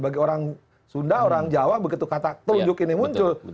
bagi orang sunda orang jawa begitu kata tunjuk ini muncul